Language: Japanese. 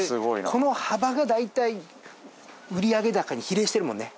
この幅が大体売上高に比例してるもんね。